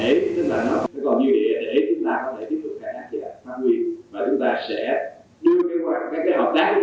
và chúng ta sẽ đưa các hợp tác